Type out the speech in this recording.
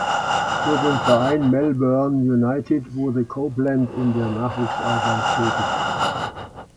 Für den Verein Melbourne United wurde Copeland in der Nachwuchsarbeit tätig.